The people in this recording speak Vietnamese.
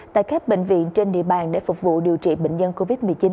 tại các bệnh viện trên địa bàn để phục vụ điều trị bệnh nhân covid một mươi chín